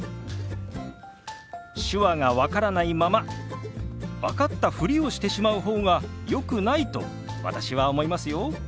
手話が分からないまま分かったふりをしてしまう方がよくないと私は思いますよ。